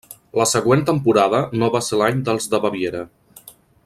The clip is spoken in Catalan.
La següent temporada no va ser l'any dels de Baviera.